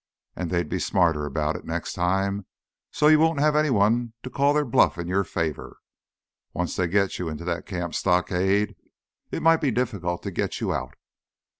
And they'd be smarter about it next time, so you won't have anyone to call their bluff in your favor. Once they get you into the camp stockade, it might be difficult to get you out.